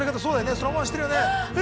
そのままにしてるよね。